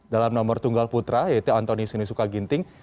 dalam nomor tunggal putra yaitu antoni sinisuka ginting